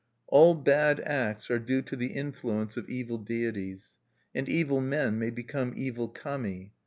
All bad acts are due to the influence of evil deities; and evil men may become evil Kami.